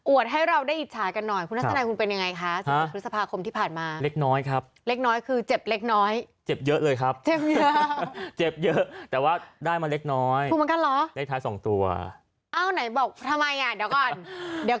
ว่าเอ้าไหนบอกทำไมอ่ะเดี๋ยวก่อนเดี๋ยวเคลียร์กันหลังเดี๋ยว